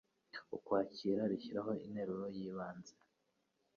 Ukwakira rishyiraho interuro y ibanze